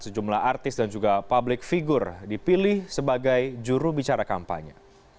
sejumlah artis dan juga publik figure dipilih sebagai juru bicara kampanye